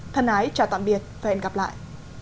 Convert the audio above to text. thân ái chào tạm biệt và hẹn gặp lại